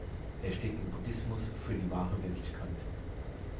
Er steht im Buddhismus für die „wahre Wirklichkeit“.